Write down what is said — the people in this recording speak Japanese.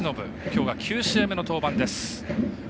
きょうが９試合目の登板です。